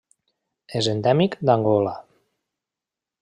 És endèmic d'Angola.